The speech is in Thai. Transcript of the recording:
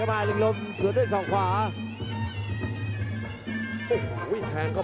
โอ้โหโอ้โห